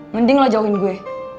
mending lo jauhin gue